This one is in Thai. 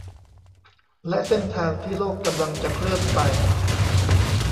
และเส้นทางที่โลกกำลังจะเคลื่อนไป